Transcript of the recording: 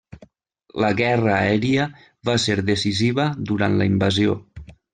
La guerra aèria va ser decisiva durant la invasió.